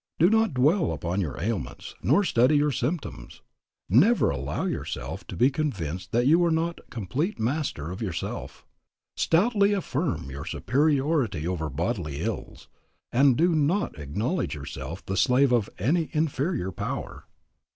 Do not dwell upon your ailments, nor study your symptoms. Never allow yourself to be convinced that you are not complete master of yourself. Stoutly affirm your superiority over bodily ills, and do not acknowledge yourself the slave of any inferior power.